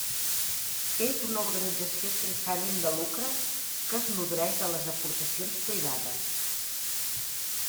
És una organització sense ànim de lucre que es nodreix de les aportacions privades.